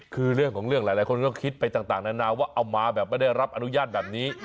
คือเรื่องของเรื่องหลายคนก็คิดไปต่างนานาว่าเอามาแบบไม่ได้รับอนุญาตแบบนี้